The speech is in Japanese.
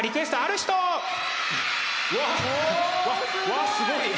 わっすごい！